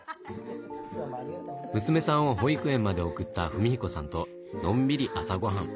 娘さんを保育園まで送った史彦さんとのんびり朝ごはん。